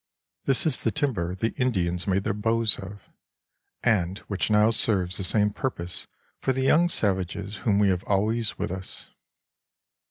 This is the timber the Indians made their bows of, and which now serves the same purpose for the young savages whom we have always with us.